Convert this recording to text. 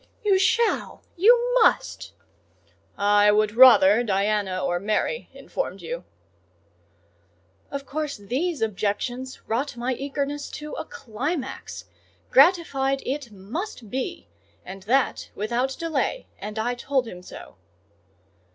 "You shall!—you must!" "I would rather Diana or Mary informed you." Of course these objections wrought my eagerness to a climax: gratified it must be, and that without delay; and I told him so.